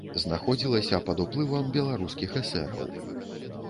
Знаходзілася пад уплывам беларускіх эсэраў.